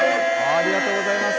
ありがとうございます。